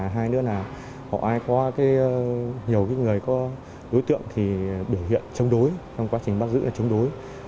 hai nữa là họ ai có nhiều người có đối tượng thì biểu hiện chống đối trong quá trình bắt giữ là chống đối